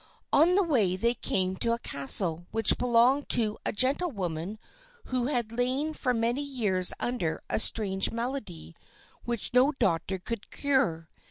On the way they came to a castle which belonged to a gentlewoman who had lain for many years under a strange malady which no doctor could cure.